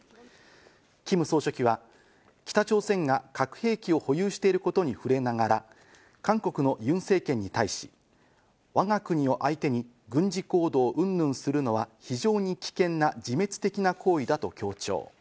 キム総書記は北朝鮮が核兵器を保有していることに触れながら、韓国のユン政権に対し、わが国を相手に軍事行動うんぬんするのは非常に危険な自滅的な行為だと強調。